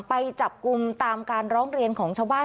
ไปจับกลุ่มตามการร้องเรียนของชาวบ้าน